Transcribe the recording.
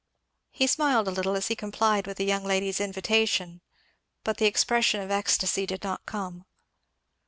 He smiled a little as he complied with the young lady's invitation, but the expression of ecstasy did not come.